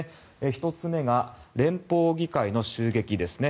１つ目が連邦議会の襲撃ですね